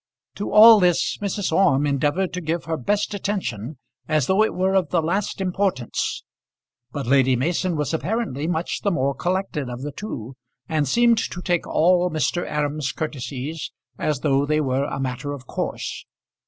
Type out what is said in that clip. To all this Mrs. Orme endeavoured to give her best attention, as though it were of the last importance; but Lady Mason was apparently much the more collected of the two, and seemed to take all Mr. Aram's courtesies as though they were a matter of course.